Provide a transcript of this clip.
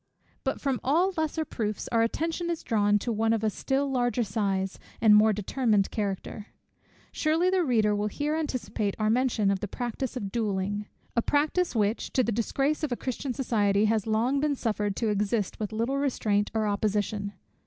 But from all lesser proofs, our attention is drawn to one of a still larger size, and more determined character. Surely the reader will here anticipate our mention of the practice of Duelling: a practice which, to the disgrace of a Christian society, has long been suffered to exist with little restraint or opposition.